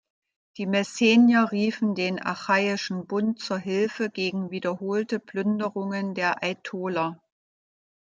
Die Messenier riefen den Achaiischen Bund zur Hilfe gegen wiederholte Plünderungen der Aitoler.